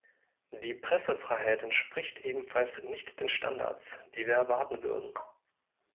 Die Pressefreiheit entspricht ebenfalls nicht den Standards, die wir erwarten würden.